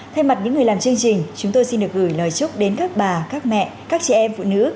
thay mặt những người làm chương trình chúng tôi xin được gửi lời chúc đến các bà các mẹ các chị em phụ nữ